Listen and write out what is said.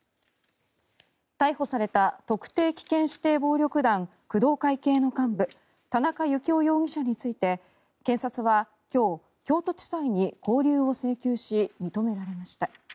逮捕された特定危険指定暴力団工藤会系の幹部田中幸雄容疑者について検察は今日京都地裁に勾留を請求し認められました。